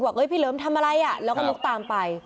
เขาบอกพี่เลิมทำอะไรแล้วก็ลุกตามไป